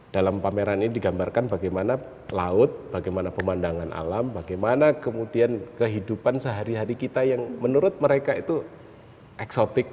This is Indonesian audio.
dalam pameran ini digambarkan bagaimana laut bagaimana pemandangan alam bagaimana kemudian kehidupan sehari hari kita yang menurut mereka itu eksotik